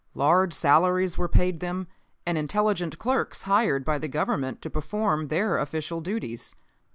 Large salaries were paid them and intelligent clerks hired by the Government to perform their official duties.